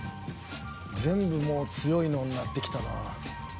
全部もう強いのになってきたな。